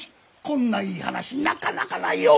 こんないい話なかなかないよ！